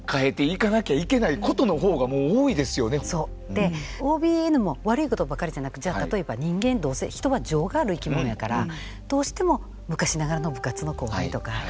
でＯＢＮも悪いことばかりじゃなくじゃあ例えば人間どうせ人は情がある生き物やからどうしても昔ながらの部活の後輩とか。